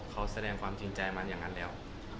เขาแสดงความจริงใจมาอย่างนั้นแล้ว